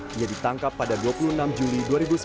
dia ditangkap pada dua puluh enam juli dua ribu sepuluh